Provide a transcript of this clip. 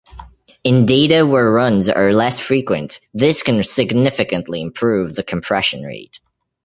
In data where runs are less frequent, this can significantly improve the compression rate.